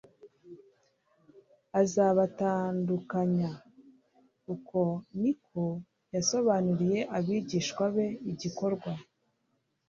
Azabatandukanya."' Uko niko yasobanuriye abigishwa be igikorwa